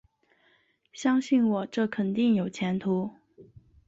相信我，这肯定有前途